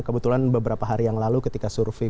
kebetulan beberapa hari yang lalu ketika survei